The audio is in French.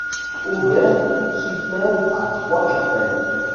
Ovaire supère à trois carpelles.